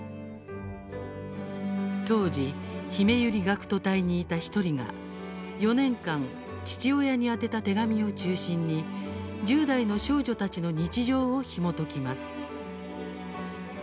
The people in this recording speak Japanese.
当時ひめゆり学徒隊にいた１人が４年間父親に宛てた手紙を中心に１０代の少女たちの日常をひもときます。